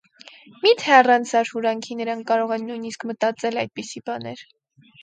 մի՞թե առանց զարհուրանքի նրանք կարող են նույնիսկ մտածել այդպիսի բաներ…